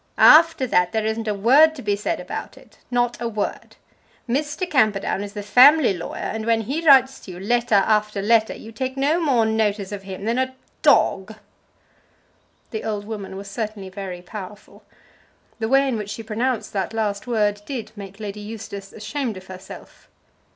After that there isn't a word to be said about it; not a word. Mr. Camperdown is the family lawyer, and when he writes to you letter after letter you take no more notice of him than a dog!" The old woman was certainly very powerful. The way in which she pronounced that last word did make Lady Eustace ashamed of herself.